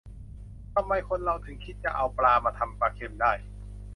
ทำไมคนเราถึงคิดจะเอาปลามาทำปลาเค็มได้